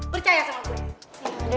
percaya sama gue